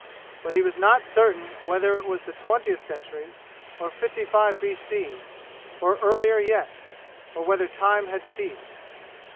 But he was not certain whether it was the twentieth century, or fifty five B. C., or earlier yet; or whether time had ceased.